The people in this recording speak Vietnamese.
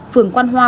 phường quan hoa